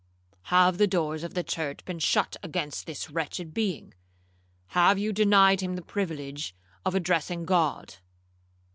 Have the doors of the church been shut against this wretched being?—have you denied him the privilege of addressing God?'